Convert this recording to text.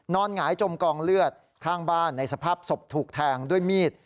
หงายจมกองเลือดข้างบ้านในสภาพศพถูกแทงด้วยมีด